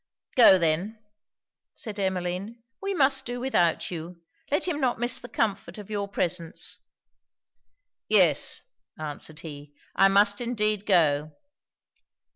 'Go then,' said Emmeline 'we must do without you. Let him not miss the comfort of your presence.' 'Yes,' answered he, 'I must indeed go.'